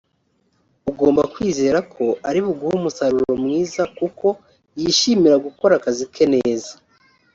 ugomba kwizera ko ari buguhe umusaruro mwiza kuko yishimira gukora akazi ke neza